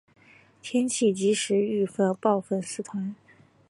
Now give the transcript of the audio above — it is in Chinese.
天气即时预报粉丝团